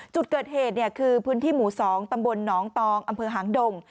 จุดเกิดเหตุคือพื้นที่หมู่๒ตำบลหนองตองอำเภอหางดง